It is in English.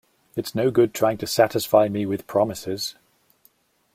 It's no good trying to satisfy me with promises.